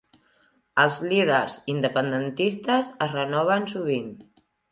Els líders independentistes es renoven sovint.